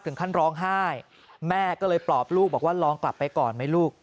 ท่านร้องไห้แม่ก็เลยปลอบลูกบอกว่าลองกลับไปก่อนไหมลูก